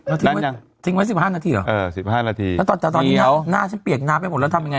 เออทิ้งไว้สิบห้านนาทีหรอเออสิบห้านนาทีแต่ตอนนี้หน้าฉันเปียกน้ำให้หมดแล้วทำยังไง